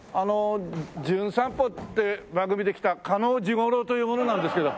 『じゅん散歩』って番組で来た嘉納治五郎という者なんですけど。